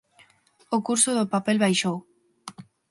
O curso do papel baixou.